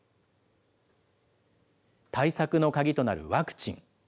対策の鍵となるワクチン。